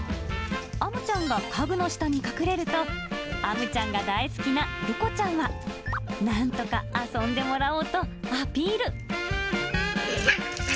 あむちゃんが家具の下に隠れると、あむちゃんが大好きなるこちゃんは、なんとか遊んでもらおうとアピール。